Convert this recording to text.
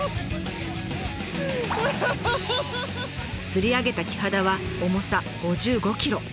釣り上げたキハダは重さ５５キロ。